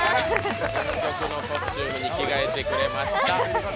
新曲のコスチュームに着替えてくれました。